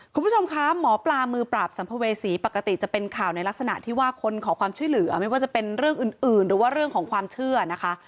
คุณผู้ชมคะหมอปลามือปราบสัมภเวษีปกติจะเป็นข่าวในลักษณะที่ว่าคนขอความช่วยเหลือไม่ว่าจะเป็นเรื่องอื่นหรือว่าเรื่องของความเชื่อนะคะ